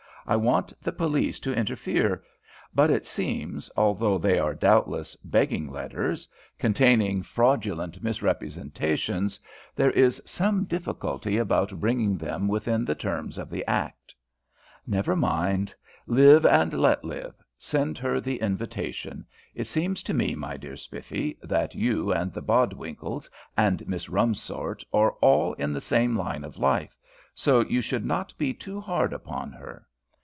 I want the police to interfere, but it seems, although they are doubtless begging letters, containing fraudulent misrepresentations, there is some difficulty about bringing them within the terms of the Act." "Never mind live and let live send her the invitation. It seems to me, my dear Spiffy, that you and the Bodwinkles and Miss Rumsort are all in the same line of life, so you should not be too hard upon her.